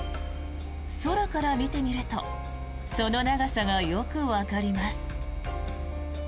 空から見てみるとその長さがよくわかります。